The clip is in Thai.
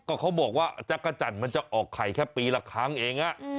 ก็เขาบอกว่าจักรจันทร์มันจะออกไข่แค่ปีละครั้งเอง